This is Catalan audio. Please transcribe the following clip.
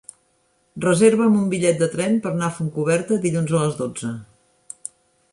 Reserva'm un bitllet de tren per anar a Fontcoberta dilluns a les dotze.